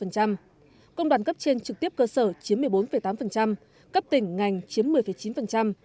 công đoàn cấp trên trực tiếp cơ sở chiếm một mươi bốn tám cấp tỉnh ngành chiếm một mươi chín